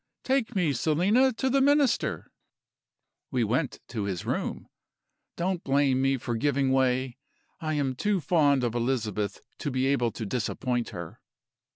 Take me, Selina, to the Minister.' "We went to his room. Don't blame me for giving way; I am too fond of Elizabeth to be able to disappoint her.